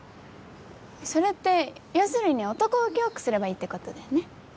それって要するに男ウケよくすればいいってことだよね？